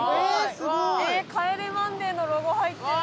すごい！『帰れマンデー』のロゴ入ってる。